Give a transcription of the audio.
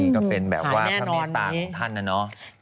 ก็เป็นแบบว่าพระเมตตาของท่านนะเนาะ